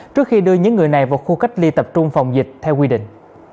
trước khi đưa những người này vào khu cách ly tập trung phòng dịch theo quy định